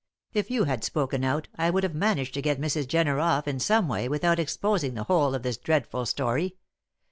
If you had spoken out, I would have managed to get Mrs. Jenner off in some way without exposing the whole of this dreadful story.